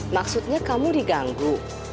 maksudnya kamu diganggu